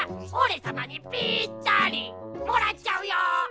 おれさまにぴったり！もらっちゃうよ。